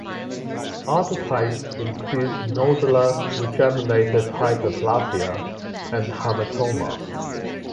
Other types include nodular regenerative hyperplasia and hamartoma.